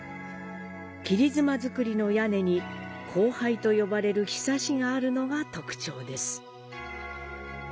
切妻造の屋根に向拝と呼ばれるひさしがあるのが特徴です。